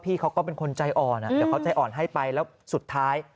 เขาก็เป็นคนใจอ่อนเดี๋ยวเขาใจอ่อนให้ไปแล้วสุดท้าย